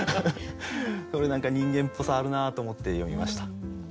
それ何か人間っぽさあるなと思って読みました。